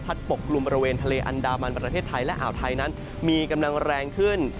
ปกลุ่มบริเวณทะเลอันดามันประเทศไทยและอ่าวไทยนั้นมีกำลังแรงขึ้น